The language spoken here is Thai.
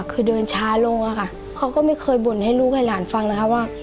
คือเดินช้าลงอะค่ะเขาก็ไม่เคยบ่นให้ลูกให้หลานฟังนะคะว่า